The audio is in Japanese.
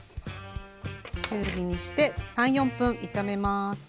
中火にして３４分炒めます。